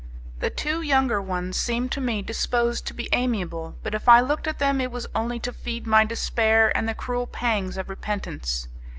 The two younger ones seemed to me disposed to be amiable, but if I looked at them it was only to feed my despair and the cruel pangs of repentance.